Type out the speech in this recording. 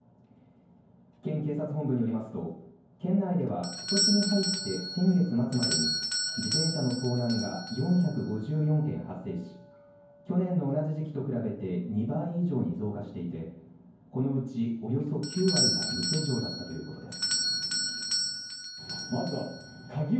県警察本部によりますと県内ではことしに入って先月末までに自転車の盗難が４５４件発生し去年の同じ時期と比べて２倍以上に増加していてこのうちおよそ９割が無施錠だったということです。